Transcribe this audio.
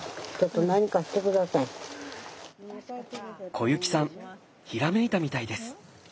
小雪さんひらめいたみたいです。